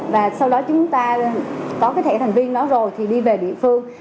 và sau đó chúng ta có cái thẻ thành viên đó rồi thì đi về địa phương